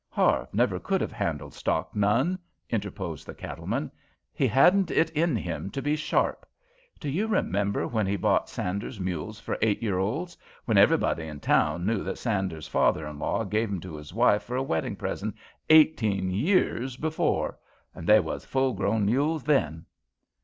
"Harve never could have handled stock none," interposed the cattleman. "He hadn't it in him to be sharp. Do you remember when he bought Sander's mules for eight year olds, when everybody in town knew that Sander's father in law give 'em to his wife for a wedding present eighteen years before, an' they was full grown mules then?"